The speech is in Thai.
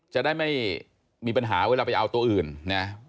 จะได้ไม่มีปัญหาเวลาไปเอาตัวอื่นนะ